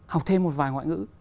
học thêm một vài ngoại ngữ